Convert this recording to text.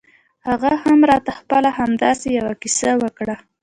هغه هم راته خپله همداسې يوه کيسه وکړه.